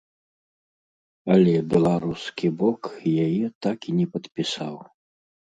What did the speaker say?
Але беларускі бок яе так і не падпісаў.